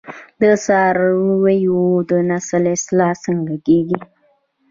د څارویو د نسل اصلاح څنګه کیږي؟